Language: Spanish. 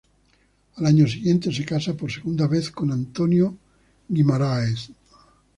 Al año siguiente se casa por segunda vez, con António Guimarães.